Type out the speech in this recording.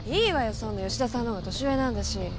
そんな吉田さんのほうが年上なんだし。